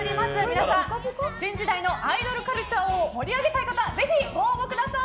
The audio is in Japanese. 皆さん新時代のアイドルカルチャーを盛り上げたい方ぜひご応募ください！